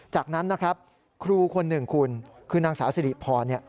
จากนั้นครูคนหนึ่งคุณคือนางสาวสฤิพร